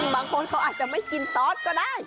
บางคนเขาอาจจะไม่กินซอสก็ได้